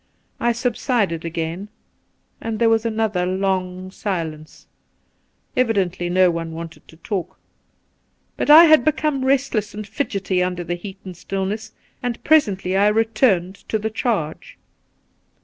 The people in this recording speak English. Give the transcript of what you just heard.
I sub sided again, and there was another long silence — evidently no one wanted to talk ; but I had be come restless and fidgety under the heat and still ness, and presently I returned to the charge.